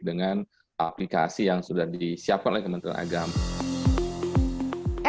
dengan aplikasi yang sudah disiapkan oleh kementerian agama